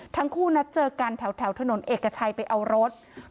ทั้งคู่นัดเจอกันแถวถนนเอกชัยไปเอารถ